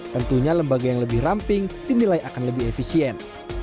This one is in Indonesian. tentunya lembaga yang lebih ramping dinilai akan lebih efisien